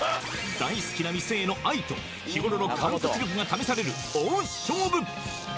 大好きな店への愛と日頃の観察力が試される大勝負！